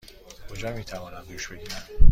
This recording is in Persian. کجا می توانم دوش بگیرم؟